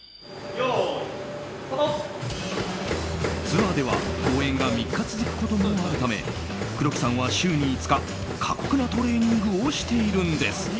ツアーでは公演が３日続くこともあるため黒木さんは週に５日過酷なトレーニングをしているんです。